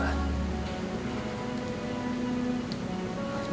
dan papa arya juga